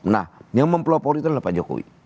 nah yang mempelopori itu adalah pak jokowi